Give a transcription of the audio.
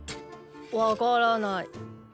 わからない。